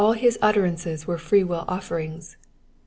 245 his utterances were freewill offerings.